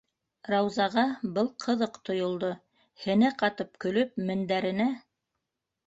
Раузаға был ҡыҙыҡ тойолдо, һене ҡатып көлөп, мендәренә